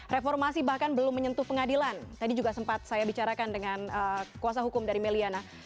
reformasi bahkan belum menyentuh pengadilan tadi juga sempat saya bicarakan dengan kuasa hukum dari meliana